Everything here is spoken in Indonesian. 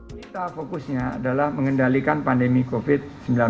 kita fokusnya adalah mengendalikan pandemi covid sembilan belas